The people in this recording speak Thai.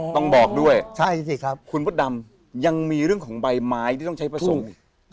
อ๋อต้องบอกด้วยใช่สิครับคุณพุทธดำยังมีเรื่องของใบไม้ที่ต้องใช้ประสงค์